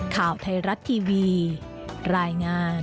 ข่าวไทยรัฐทีวีรายงาน